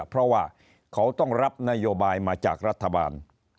เพราะว่าเขาต้องรับนโยบายมาจากรัฐบาล